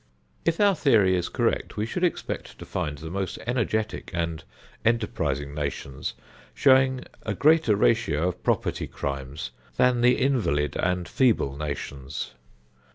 If our theory is correct, we should expect to find the most energetic and enterprising nations showing a greater ratio of property crimes than the invalid and feeble nations.